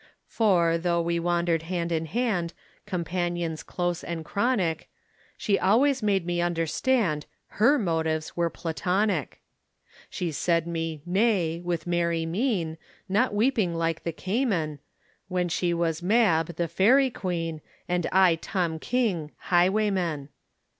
For, though we wandered hand in hand, Companions close and chronic, She always made me understand Her motives were Platonic. She said me "Nay" with merry mien, Not weeping like the cayman, When she was Mab, the Fairy Queen, And I Tom King, highwayman.